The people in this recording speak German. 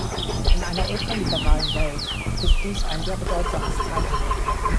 In einer ultraliberalen Welt ist dies ein sehr bedeutsames Zeichen.